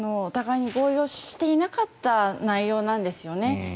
お互いに合意をしていなかった内容なんですよね。